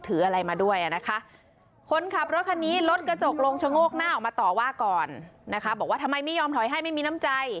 ถืออะไรมาด้วยอะนะคะ